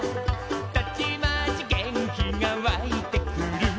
「たちまち元気がわいてくる」